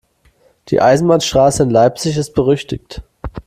Die Eisenbahnstraße in Leipzig ist berüchtigt.